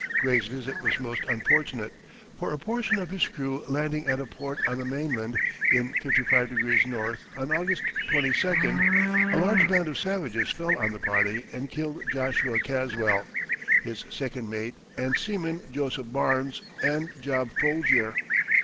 Gray's visit was most unfortunate, for a portion of his crew landing at a port on the mainland in 55° N., on August 22d, a large band of savages fell on the party and killed Joshua Caswell, his second mate, and seamen Joseph Barns and Job Folgier.